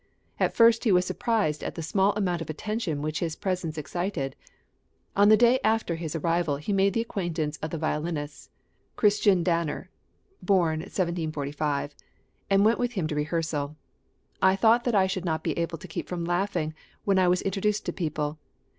At first he was surprised at the small amount of attention which his presence excited. On the day after his arrival he made the acquaintance of the violinist, Chr. Danner (b. 1745), and went with him to rehearsal. "I thought that I should not be able to keep from laughing, when I was introduced to people.